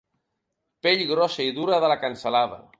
Pell grossa i dura de la cansalada.